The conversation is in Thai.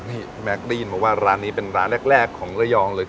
พี่แม็กได้ยินมาว่าร้านนี้เป็นร้านแรกของระยองเลย